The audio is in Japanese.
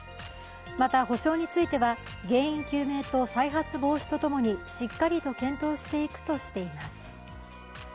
また補償については原因究明と再発防止とともにしっかりと検討していくとしています。